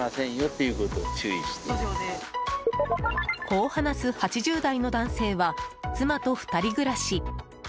こう話す８０代の男性は妻と２人暮らし。